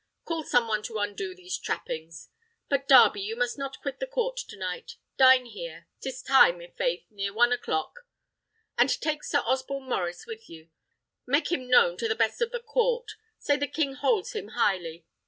Call some one to undo these trappings. But, Darby, you must not quit the court to night. Dine here; 'tis time, i'faith; near one o' the clock! and take Sir Osborne Maurice with you. Make him known to the best of the court: say the king holds him highly.